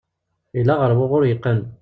Yella ɣer wuɣur yeqqen.